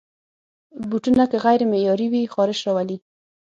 بوټونه که غیر معیاري وي، خارش راولي.